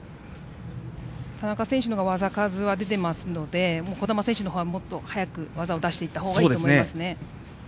田中選手のほうが技数は出ていますので児玉選手のほうは、もっと早く技を出していったほうがいいと思いますね。